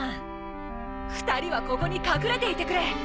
２人はここに隠れていてくれ。